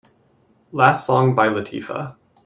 last song by Latifa